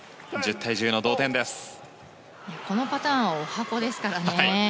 このパターンは十八番ですからね。